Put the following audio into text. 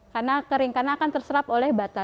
karena kering karena akan terserap oleh bata